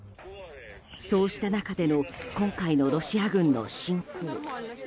そうした中での今回のロシア軍の侵攻。